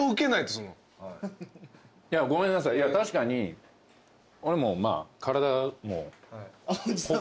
ごめんなさいいや確かに俺もまあ。